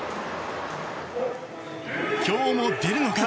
今日も出るのか？